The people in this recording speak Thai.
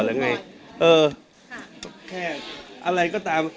เออแค่อะไรก็ตาม